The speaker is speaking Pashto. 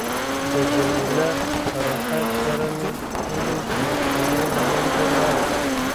د جميله په راتګ سره مې ټولې پریشانۍ له منځه لاړې.